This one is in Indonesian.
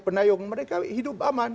penayung mereka hidup aman